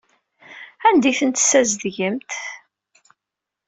Anda ay ten-tessazedgemt?